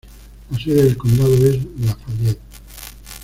La sede de condado es Lafayette.